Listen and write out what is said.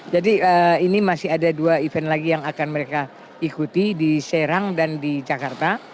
jadi ini masih ada dua event lagi yang akan mereka ikuti di serang dan di jakarta